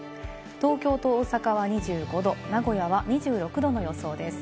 東京と大阪は２５度、名古屋は２６度の予想です。